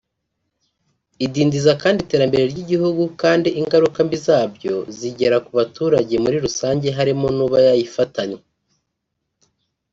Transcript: Idindiza kandi iterambere ry’igihugu kandi ingaruka mbi zabyo zigera ku baturage muri rusange harimo n’uba yayifatanywe